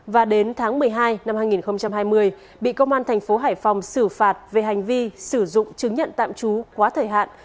và đến tháng một mươi hai năm hai nghìn hai mươi bị công an thành phố hải phòng xử phạt về hành vi sử dụng chứng nhận tạm trú quá thời hạn